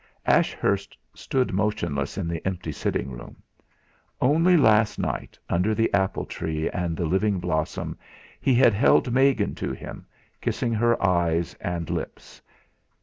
Ashurst stood motionless in the empty sitting room. Only last night, under the apple tree and the living blossom, he had held Megan to him, kissing her eyes and lips.